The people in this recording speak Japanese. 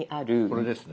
これですね。